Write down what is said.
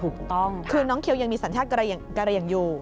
คือน้องเขียวยังมีสัญชาติกระย่างอยู่